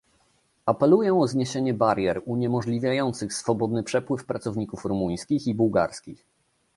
Apeluję o zniesienie barier uniemożliwiających swobodny przepływ pracowników rumuńskich i bułgarskich